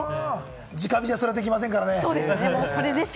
直火じゃそれはできませんからね。